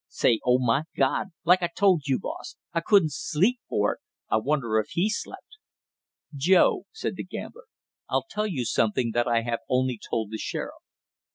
"Say, 'Oh, my God!' like I told you, boss; I couldn't sleep for it, I wonder if he slept!" "Joe," said the gambler, "I'll tell you something that I have only told the sheriff.